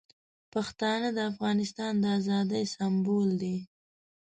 پښتانه د افغانستان د ازادۍ سمبول دي.